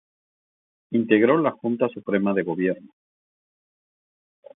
Integró la Junta suprema de Gobierno.